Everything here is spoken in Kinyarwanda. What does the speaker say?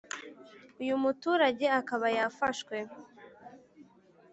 Uyu muturage akaba yafashwe